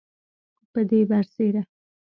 پدې برسیره